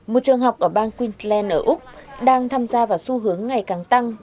một trường học ở bang queensland ở úc đang tham gia vào xu hướng ngày càng tăng